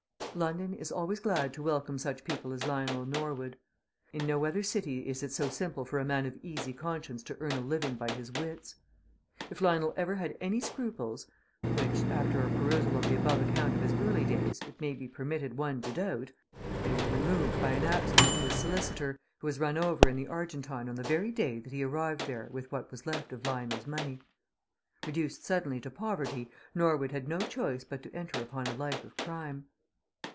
London is always glad to welcome such people as Lionel Norwood. In no other city is it so simple for a man of easy conscience to earn a living by his wits. If Lionel ever had any scruples (which, after a perusal of the above account of his early days, it may be permitted one to doubt) they were removed by an accident to his solicitor, who was run over in the Argentine on the very day that he arrived there with what was left of Lionel's money. Reduced suddenly to poverty, Norwood had no choice but to enter upon a life of crime.